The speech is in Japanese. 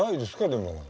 でも。